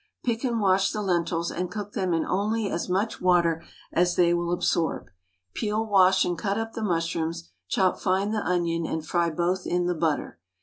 Pick and wash the lentils, and cook them in only as much water as they will absorb. Peel, wash, and cut up the mushrooms, chop fine the onion, and fry both in the butter.